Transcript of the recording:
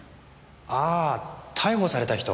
あぁ逮捕された人。